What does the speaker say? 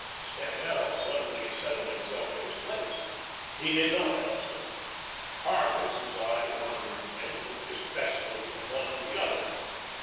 Scannel sullenly settled himself in his place. He did not answer. Hargus, his eye wandering again, looked distressfully from one to the other.